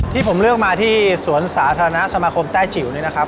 ที่ผมเลือกมาที่สวนสาธารณะสมาคมแต้จิ๋วนี่นะครับ